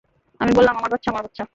আমি বললাম, আমার বাচ্চা, আমার বাচ্চা?